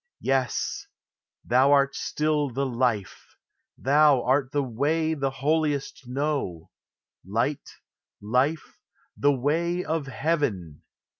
Yes; thou art still the Life, thou art the Way The holiest know; Light, Life, the Way of heaven!